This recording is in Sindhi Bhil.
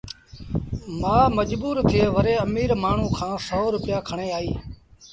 مآ مجبور ٿئي وري اميٚر مآڻهوٚٚݩ کآݩ سو روپيآ کڻي آئيٚ